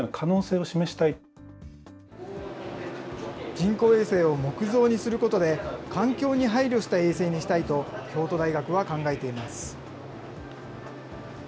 人工衛星を木造にすることで、環境に配慮した衛星にしたいと、京都大学は考えています。